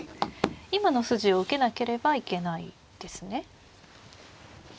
今の筋を受けなければいけないですね。